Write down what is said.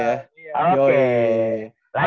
oh langsung aja ya